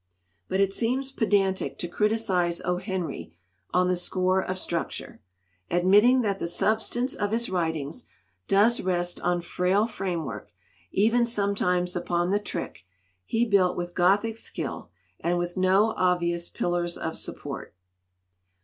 "But it seems pedantic to criticize O. Henry on the score of structure. Admitting that the sub stance of his writings does rest on frail framework, even sometimes upon the trick, he built with Gothic skill and with no obvious pillars of sup port.